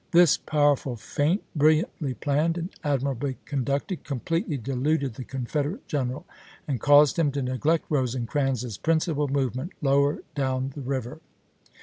This powerful feint, biilliantly planned and admirably conducted, completely de luded the Confederate general and caused him to neglect Rosecrans's principal movement lower down the river.